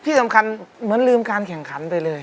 ที่สำคัญเหมือนลืมการแข่งขันไปเลย